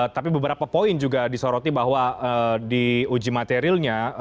tapi beberapa poin juga disoroti bahwa di uji materialnya